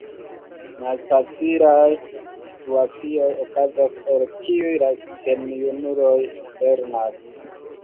Malfacilaj situacioj okazas, el kiuj la gejunuloj lernas.